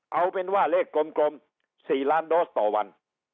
เอาเป็นว่าเลขกลม๔ล้านโดสต่อวัน